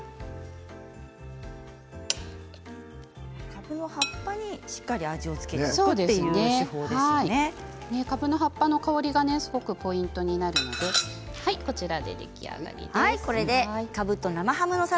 かぶの葉っぱにしっかり味を付けておくというかぶの葉っぱの香りがすごくポイントになるのでこちらで出来上がりです。